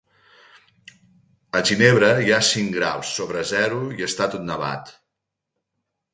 A Ginebra hi ha cinc graus sobre zero i està tot nevat.